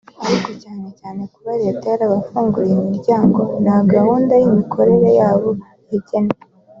ariko cyane cyane kuba leta yabafunguriye imiryango nta gahunda y’imikorere yabo yagennye